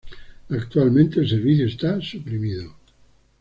Actualmente el servicio está suprimido.